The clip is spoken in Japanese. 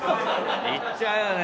いっちゃうよね。